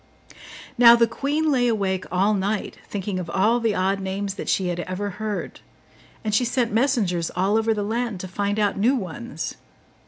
Now the queen lay awake all night, thinking of all the odd names that she had ever heard; and she sent messengers all over the land to find out new ones.